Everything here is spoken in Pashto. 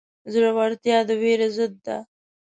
زړورتیا د وېرې ضد ده.